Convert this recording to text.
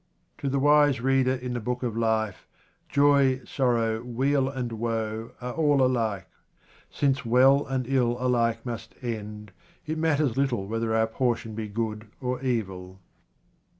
To the wise reader in the book of life, joy, 55 QUATRAINS OF OMAR KHAYYAM sorrow, weal, and woe are all alike. Since well and ill alike must end, it matters little whether our portion be good or evil.